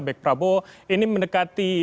baik prabowo ini mendekati